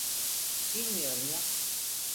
Bilmiyorum ya.